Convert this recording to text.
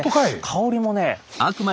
香りもね。